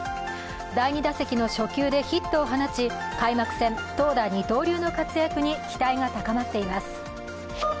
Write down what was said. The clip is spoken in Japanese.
第２打席の初球でヒットを放ち開幕戦、投打二刀流の活躍に期待が高まっています。